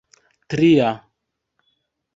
tria